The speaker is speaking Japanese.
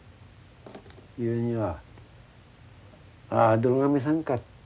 言うには「ああどろ亀さんか。